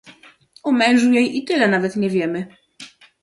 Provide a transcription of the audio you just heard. "O mężu jej i tyle nawet nie wiemy."